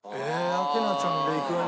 明菜ちゃんでいくんだ。